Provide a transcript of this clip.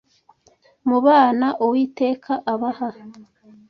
mu bana uwiteka abaha